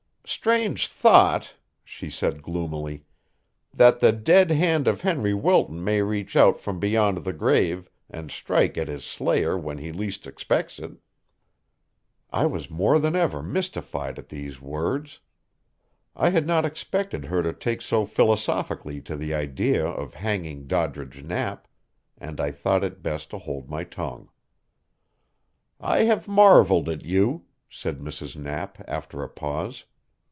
Strange thought!" she said gloomily, "that the dead hand of Henry Wilton may reach out from beyond the grave and strike at his slayer when he least expects it." I was more than ever mystified at these words. I had not expected her to take so philosophically to the idea of hanging Doddridge Knapp, and I thought it best to hold my tongue. "I have marveled at you," said Mrs. Knapp after a pause.